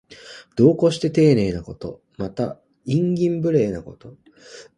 度を越してていねいなこと。また、慇懃無礼なこと。